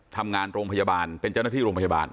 ทำงานโรงพยาบาลเป็นเจ้าหน้าที่โรงพยาบาล